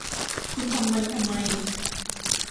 คุณทำมันทำไม